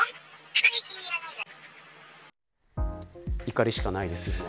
怒りしかないですよね。